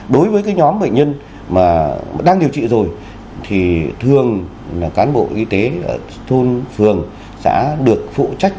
đối với cái nhóm bệnh nhân mà đang điều trị rồi thì thường là cán bộ y tế ở thôn phường sẽ được phụ trách